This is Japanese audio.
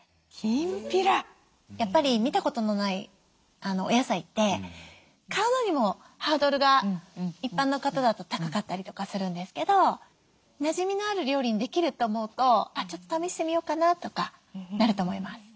やっぱり見たことのないお野菜って買うのにもハードルが一般の方だと高かったりとかするんですけどなじみのある料理にできると思うとちょっと試してみようかなとかなると思います。